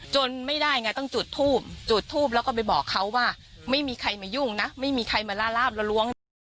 ไม่ได้ไงต้องจุดทูบจุดทูบแล้วก็ไปบอกเขาว่าไม่มีใครมายุ่งนะไม่มีใครมาล่าบละล้วงนะ